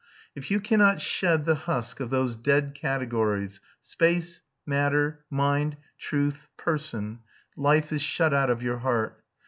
If you cannot shed the husk of those dead categories space, matter, mind, truth, person life is shut out of your heart.